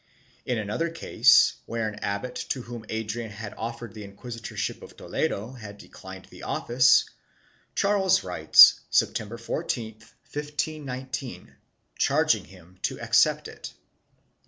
In another case, where an abbot, to whom Adrian had offered the inquisitorship of Toledo, had de clined the office, Charles writes, September 14, 1519, charging him to accept it.